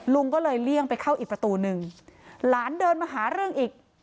ลุงก็เลยเลี่ยงไปเข้าอีกประตูนึงหลานเดินมาหาเรื่องอีก